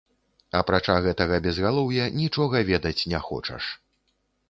Апрача гэтага безгалоўя, нічога ведаць не хочаш.